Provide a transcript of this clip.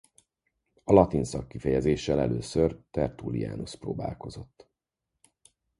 A latin szakkifejezéssel először Tertullianus próbálkozott.